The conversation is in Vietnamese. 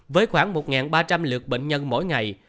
với khoảng một ba trăm linh lượt bệnh nhân mỗi ngày